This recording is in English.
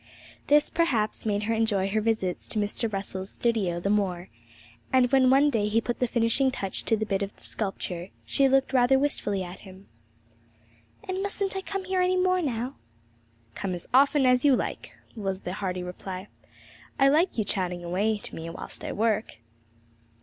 This, perhaps, made her enjoy her visits to Mr. Russell's studio the more; and when one day he put the finishing touch to the bit of sculpture, she looked rather wistfully at him. 'And mustn't I come here any more now?' 'Come as often as you like,' was the hearty reply; 'I like you chatting away to me whilst I work.'